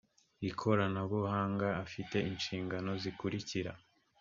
ikoranabuhanga afite inshingano zikurikira